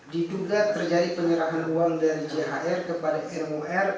diduga terjadi penyerahan uang dari jhr kepada mor